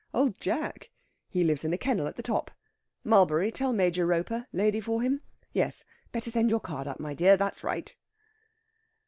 "Old Jack! He lives in a kennel at the top. Mulberry, tell Major Roper lady for him. Yes, better send your card up, my dear; that's right!"